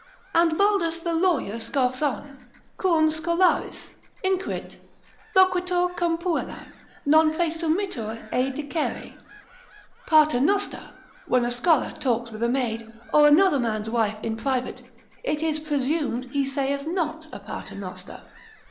And Baldus the lawyer scoffs on, quum scholaris, inquit, loquitur cum puella, non praesumitur ei dicere, Pater noster, when a scholar talks with a maid, or another man's wife in private, it is presumed he saith not a pater noster.